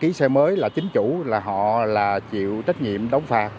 ký xe mới là chính chủ là họ là chịu trách nhiệm đóng phạt